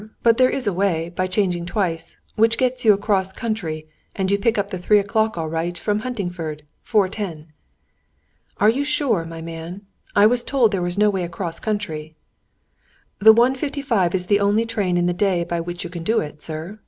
But there is a way, by changing twice, which gets you across country, and you pick up the three o'clock all right at Huntingford, four ten." "Are you sure, my man? I was told there was no way across country." "The one fifty five is the only train in the day by which you can do it, sir.